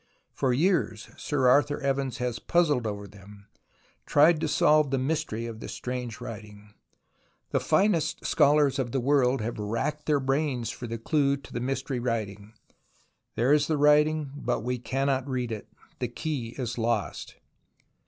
For years Sir Arthur Evans has puzzled over them, tried to solve the mystery of this strange writing. The finest scholars of the world have racked their brains for the clue to the mystery writing. There is the writing, but we cannot read it. The key is lost.